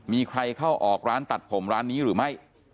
มีใครเข้าออกร้านตัดผมร้านนี้หรือไม่